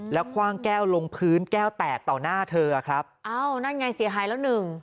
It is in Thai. แล้วคว่างแก้วลงพื้นแก้วแตกต่อหน้าเธอครับอ้าวนั่นไงเสียหายแล้วหนึ่ง